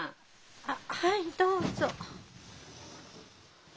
あっはいどうぞ。